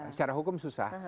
secara hukum susah